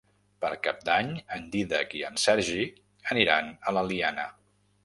Per Cap d'Any en Dídac i en Sergi aniran a l'Eliana.